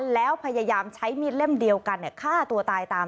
แล้วพยายามใช้มีดเล่มเดียวกันฆ่าตัวตายตาม